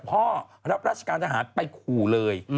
รับราชการทหารไปขู่เลย